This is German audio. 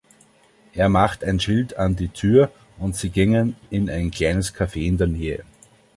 Er machte ein Schild an die Tür, und sie gingen in ein kleines Café in der Nähe.